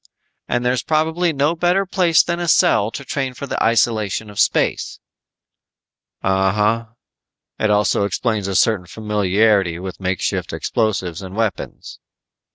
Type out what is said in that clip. And there's probably no better place than a cell to train for the isolation of space." "Uh huh. It also explains a certain familiarity with makeshift explosives and weapons."